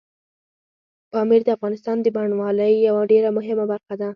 پامیر د افغانستان د بڼوالۍ یوه ډېره مهمه برخه ده.